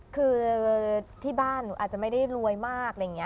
คือที่บ้านอาจจะไม่ได้รวยมาก